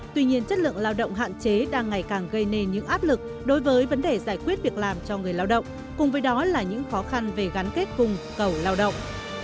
tuy nhiên chất lượng lao động hạn chế đang ngày càng gây nên những áp lực đối với vấn đề giải quyết việc làm cho người lao động cùng với đó là những khó khăn về gắn kết cùng cầu lao động